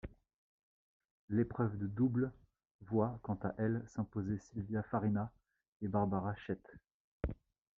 L'épreuve de double voit quant à elle s'imposer Silvia Farina et Barbara Schett.